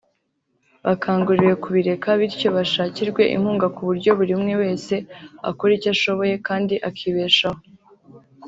bakangurirwe kubireka bityo bashakirwe inkunga ku buryo buri umwe wese akora icyo ashoboye kandi akibeshaho